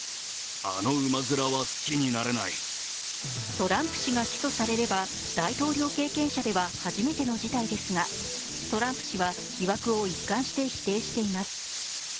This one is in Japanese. トランプ氏が起訴されれば大統領経験者では初めての事態ですがトランプ氏は疑惑を一貫して否定しています。